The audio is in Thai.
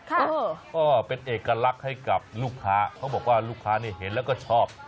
ก็เป็นเอกลักษณ์ให้กับลูกค้าเขาบอกว่าลูกค้าเนี่ยเห็นแล้วก็ชอบ